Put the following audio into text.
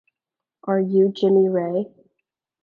Are You Jimmy Ray?